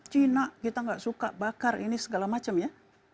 cina kita nggak suka bakar ini segala macam ya